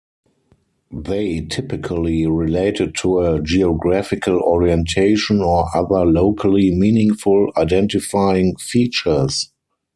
They typically related to a geographical orientation or other locally meaningful identifying features.